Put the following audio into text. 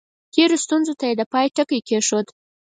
تېرو ستونزو ته یې د پای ټکی کېښود.